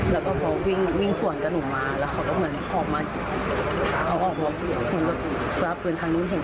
แล้วก็เขาวิ่งส่วนกระหนูมาแล้วเขาก็เหมือนออกมาเอาออกแล้วเหมือนแบบกระปืนทางนู้นเห็น